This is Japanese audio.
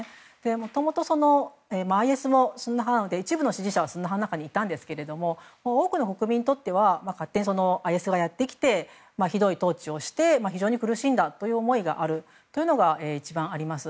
もともと、ＩＳもスンニ派なので一部の支持者はスンニ派の中にいたんですが多くの国民にとっては勝手に、ＩＳがやってきてひどい統治をして非常に苦しいという思いがあるのが一番あります。